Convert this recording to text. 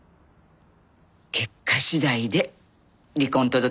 結果次第で離婚届出す。